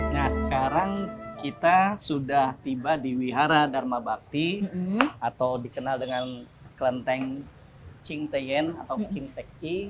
nah sekarang kita sudah tiba di vihara dharma bhakti atau dikenal dengan klenteng ching teyen atau kim teki